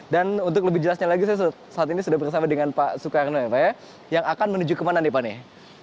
dan untuk lebih jelasnya lagi saya saat ini sudah bersama dengan pak soekarno yang akan menuju kemana nih pak